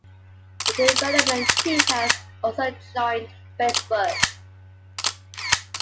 The development team has also joined Facebook.